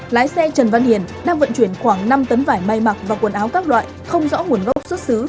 lái xe trần văn hiền đang vận chuyển khoảng năm tấn vải may mặc và quần áo các loại không rõ nguồn gốc xuất xứ